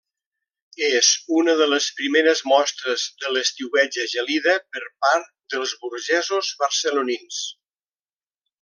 És una de les primeres mostres de l'estiueig a Gelida per part dels burgesos barcelonins.